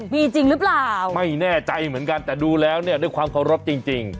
มีจริงหรือเปล่าไม่แน่ใจเหมือนกันแต่ดูแล้วเนี่ยด้วยความเคารพจริงจริง